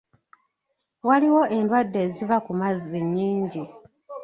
Waliwo endwadde eziva ku mazzi nnyingi.